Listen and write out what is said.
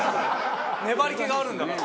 粘り気があるんだから。